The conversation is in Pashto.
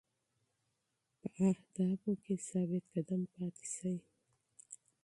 په اهدافو ثابت قدم پاتې شئ.